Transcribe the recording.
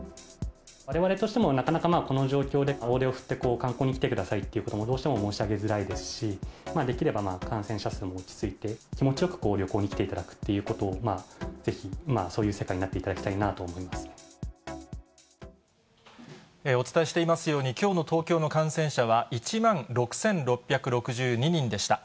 われわれとしてもなかなかこの状況で、大手を振って観光に来てくださいということもどうしても申し上げづらいですし、できれば感染者数も落ち着いて、気持ちよく旅行に来ていただくということをぜひ、そういう世界にお伝えしていますように、きょうの東京の感染者は、１万６６６２人でした。